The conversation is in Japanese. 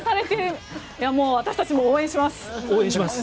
私たちも応援します。